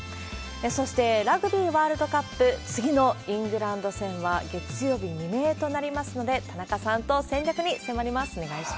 そして、ラグビーワールドカップ、次のイングランド戦は月曜日未明となりますので、田中さんと戦略に迫ります。